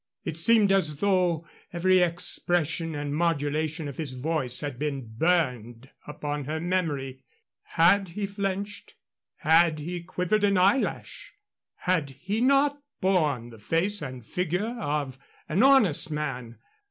It seemed as though every expression and modulation of his voice had been burned upon her memory. Had he flinched had he quivered an eyelash? Had he not borne the face and figure of an honest man?